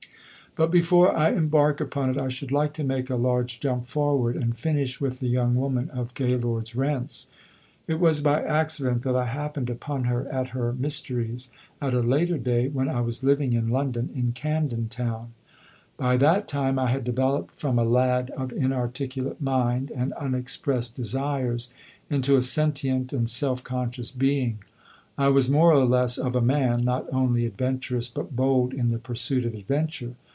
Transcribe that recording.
But before I embark upon it I should like to make a large jump forward and finish with the young woman of Gaylord's Rents. It was by accident that I happened upon her at her mysteries, at a later day when I was living in London, in Camden Town. By that time I had developed from a lad of inarticulate mind and unexpressed desires into a sentient and self conscious being. I was more or less of a man, not only adventurous but bold in the pursuit of adventure.